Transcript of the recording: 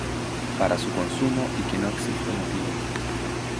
para su consumo y que no existe motivo